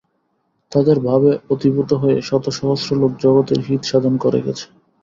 তাঁদের ভাবে অভিভূত হয়ে শতসহস্র লোক জগতের হিতসাধন করে গেছে।